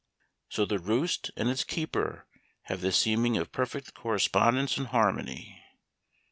So the " Roost " and its keeper have the seeming of perfect correspondence and harmony.